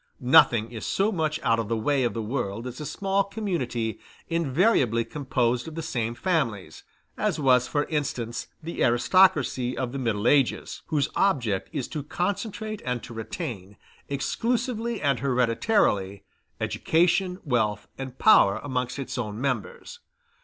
Nothing is so much out of the way of the world as a small community invariably composed of the same families (as was for instance the aristocracy of the Middle Ages), whose object is to concentrate and to retain, exclusively and hereditarily, education, wealth, and power amongst its own members.